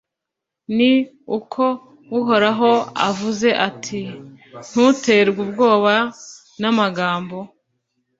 ni uko Uhoraho avuze ati ’Ntuterwe ubwoba n’amagambo